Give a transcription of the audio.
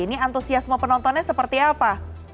ini antusiasme penontonnya seperti apa